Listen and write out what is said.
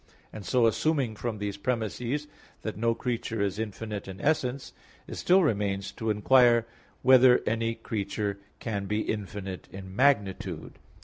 And so assuming from these premises that no creature is infinite in essence, it still remains to inquire whether any creature can be infinite in magnitude.